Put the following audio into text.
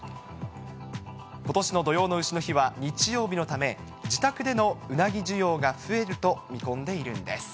ことしの土用のうしの日は日曜日のため、自宅でのうなぎ需要が増えると見込んでいるんです。